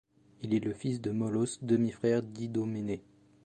Il est le fils de Molos, demi-frère d'Idoménée.